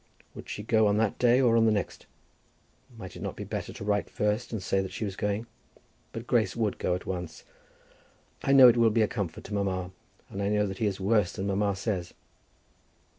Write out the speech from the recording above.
Would she go on that day, or on the next? Might it not be better to write first, and say that she was going? But Grace would go at once. "I know it will be a comfort to mamma; and I know that he is worse than mamma says."